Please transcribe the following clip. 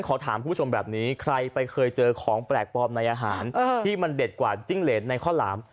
ขอถามคุณผู้ชมแบบนี้ใครไปเคยเจอของแปลกปลอมในอาหารที่มันเด็ดกว่าจิ้งเหรนในข้าวหลาม